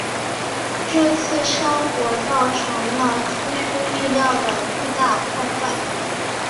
这次山火造成了出乎意料的巨大破坏。